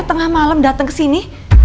tengah malem dateng kesini